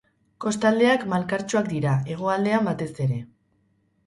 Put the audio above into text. Kostaldeak malkartsuak dira, hegoaldean batez ere.